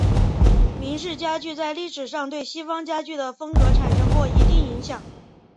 明式家具在历史上对西方家具的风格产生过一定影响。